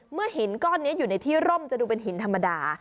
หินก้อนนี้อยู่ในที่ร่มจะดูเป็นหินธรรมดา